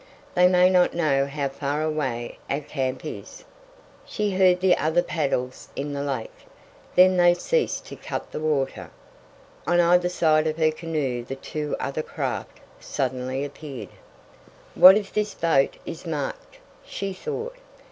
They may not know how far away our camp is." She heard the other paddles in the lake. Then they ceased to cut the water. On either side of her canoe the two other craft suddenly appeared. "What if this boat is marked!" she thought.